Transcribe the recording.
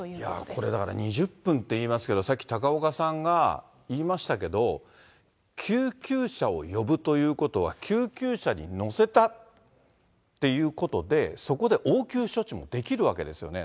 これだから２０分って言いますけど、さっき高岡さんが言いましたけど、救急車を呼ぶということは、救急車に乗せたっていうことで、そこで応急処置もできるわけですよね。